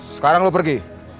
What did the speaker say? sekarang lu pergi